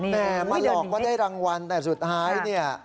มาหลอกว่าได้รางวัลแต่สุดท้ายเนี่ย